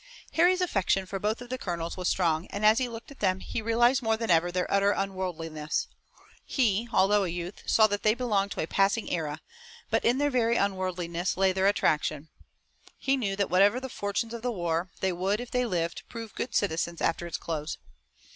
Harry's affection for both of the colonels was strong and as he looked at them he realized more than ever their utter unworldliness. He, although a youth, saw that they belonged to a passing era, but in their very unworldliness lay their attraction. He knew that whatever the fortunes of the war, they would, if they lived, prove good citizens after its close.